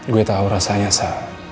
gue tau rasanya sa